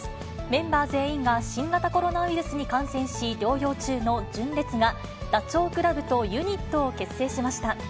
メンバー全員が新型コロナウイルスに感染し、療養中の純烈が、ダチョウ倶楽部とユニットを結成しました。